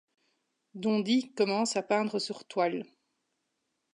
Dondi commence à peindre sur toile.